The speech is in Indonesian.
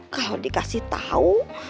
kalo dikasih tau